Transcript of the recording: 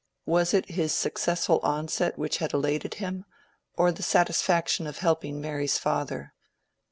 Was it his successful onset which had elated him, or the satisfaction of helping Mary's father?